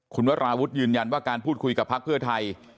คุณวราวุฒิยืนยันว่าการพูดคุยกับพักเพื่อไทย